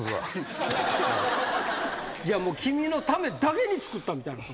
じゃあもう君のためだけにつくったみたいなこと？